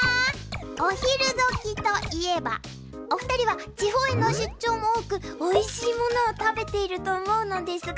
お昼時といえばお二人は地方への出張も多くおいしいものを食べていると思うのですが。